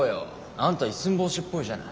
あんた一寸法師っぽいじゃない。